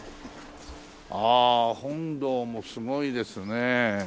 ああ本堂もすごいですね。